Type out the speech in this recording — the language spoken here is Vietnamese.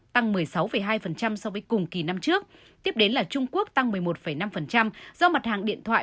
tăng một mươi sáu hai so với cùng kỳ năm trước tiếp đến là trung quốc tăng một mươi một năm do mặt hàng điện thoại